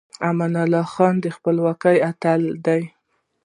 امان الله خان د خپلواکۍ اتل دی.